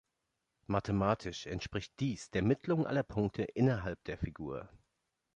Mathematisch entspricht dies der Mittelung aller Punkte innerhalb der Figur.